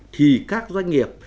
thì các doanh nghiệp